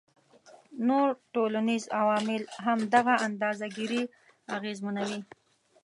نور ټولنیز عوامل هم دغه اندازه ګيرۍ اغیزمنوي